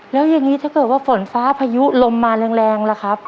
แล้วอย่างนี้ถ้าเกิดว่าฝนฟ้าพายุลมมาแรงล่ะครับ